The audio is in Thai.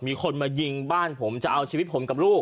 มีคนมายิงบ้านผมจะเอาชีวิตผมกับลูก